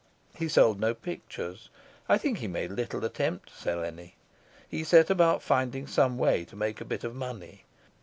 He sold no pictures; I think he made little attempt to sell any; he set about finding some way to make a bit of money.